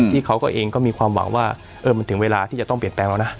เขาก็เองก็มีความหวังว่ามันถึงเวลาที่จะต้องเปลี่ยนแปลงแล้วนะ